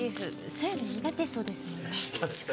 そういうの苦手そうですもんね